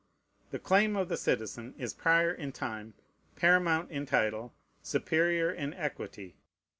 The claim of the citizen is prior in time, paramount in title, superior in equity.